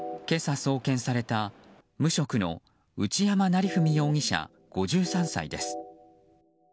今朝送検された、無職の内山成文容疑者、５３歳です。